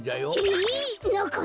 えっ！